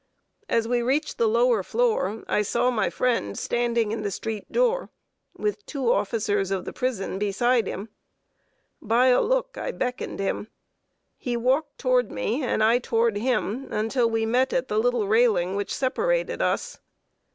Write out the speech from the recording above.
As we reached the lower floor, I saw my friend standing in the street door, with two officers of the prison beside him. By a look I beckoned him. He walked toward me and I toward him, until we met at the little railing which separated us.